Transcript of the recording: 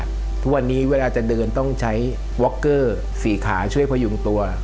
ทุกวันนี้เวลาจะเดินต้องใช้ว็อกเกอร์สี่ขาช่วยพยุงตัว